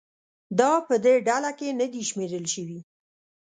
دا په دې ډله کې نه دي شمېرل شوي.